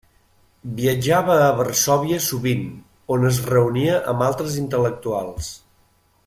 Viatjava a Varsòvia sovint, on es reunia amb altres intel·lectuals.